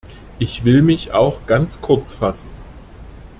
Ich will mich auch ganz kurz fassen.